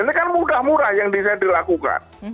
ini kan mudah murah yang bisa dilakukan